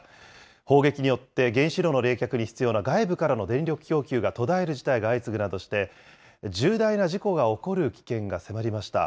砲撃によって、原子炉の冷却に必要な外部からの電力供給が途絶える事態が相次ぐなどして、重大な事故が起こる危険が迫りました。